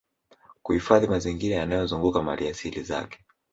Kuhifadhi mazingira yanayozunguka maliasili zake